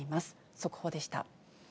速報でした。